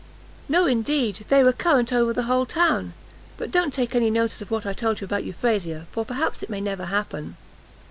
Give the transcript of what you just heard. "No, indeed, they were current over the whole town. But don't take any notice of what I told you about Euphrasia, for perhaps, it may never happen."